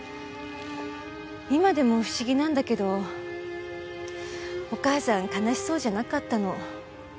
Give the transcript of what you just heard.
今でも不思議なんだけどお母さん悲しそうじゃなかったの。